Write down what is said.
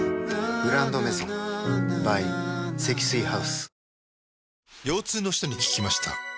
「グランドメゾン」ｂｙ 積水ハウス